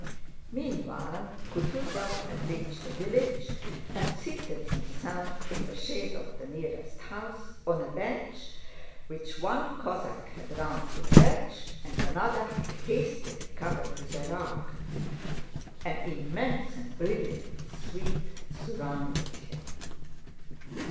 Meanwhile Kutúzov had reached the village and seated himself in the shade of the nearest house, on a bench which one Cossack had run to fetch and another had hastily covered with a rug. An immense and brilliant suite surrounded him.